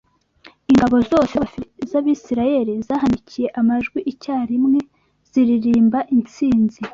ingabo zose z’Abisirayeli zahanikiye amajwi icyarimwe ziririmba intsinzi